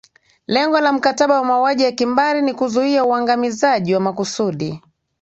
lengo la mkataba wa mauaji ya kimbari ni kuzuia uangamizaji wa makusudi